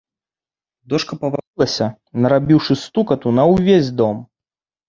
Дошка павалілася, нарабіўшы стукату на ўвесь дом.